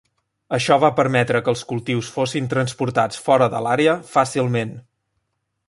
Això va permetre que els cultius fossin transportats fora de l'àrea fàcilment.